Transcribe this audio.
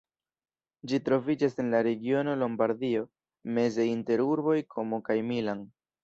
Ĝi troviĝas en la regiono Lombardio, meze inter urboj Komo kaj Milan.